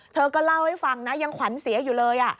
เธอก็เล่าให้ฟังนะยังขวัญเสียอยู่เลย